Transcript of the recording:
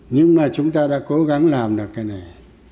nhưng mà chúng ta đã cố gắng làm được cái này